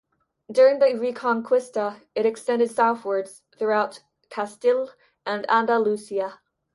During the Reconquista, it extended southwards throughout Castille and Andalusia.